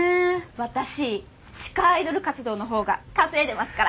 私地下アイドル活動のほうが稼いでいますから。